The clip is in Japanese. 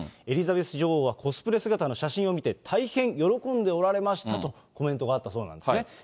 エリザベス女王はコスプレ姿の写真を見て、大変喜んでおられましたとコメントがあったそうなんですね。